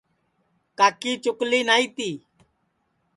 کاکی چُکلی نائی تی